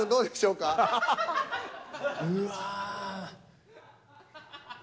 うわ。